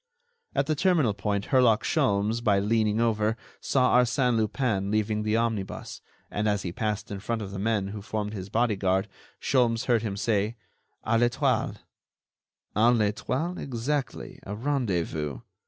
At the terminal point Herlock Sholmes, by leaning over, saw Arsène Lupin leaving the omnibus, and as he passed in front of the men who formed his bodyguard Sholmes heard him say: "A l'Etoile." "A l'Etoile, exactly, a rendezvous.